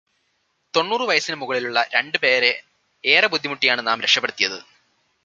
തൊണ്ണൂറ് വയസ്സിന് മുകളിലുള്ള രണ്ട് പേരെ ഏറെ ബുദ്ധിമുട്ടിയാണ് നാം രക്ഷപെടുത്തിയെടുത്തത്.